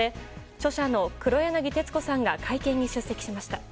著者の黒柳徹子さんが会見に出席しました。